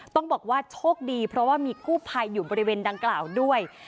ต้องบอกว่าโชคดีเพราะว่ามีกู้ภัยอยู่บริเวณดังกล่าวด้วย